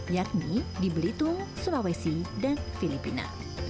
yakni di belitung sulawesi dan filipina